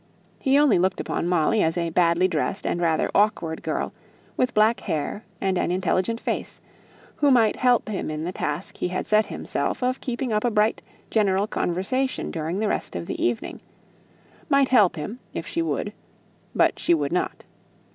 He only looked upon Molly as a badly dressed, and rather awkward girl, with black hair and an intelligent face, who might help him in the task he had set himself of keeping up a bright general conversation during the rest of the evening; might help him if she would, but she would not.